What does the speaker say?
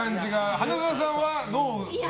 花澤さんはどうでした？